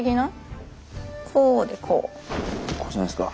こうじゃないっすか？